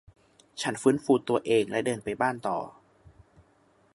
ฉันฟื้นฟูตัวเองและเดินไปบ้านต่อ